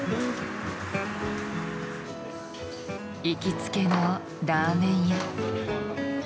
行きつけのラーメン屋。